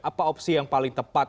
apa opsi yang paling tepat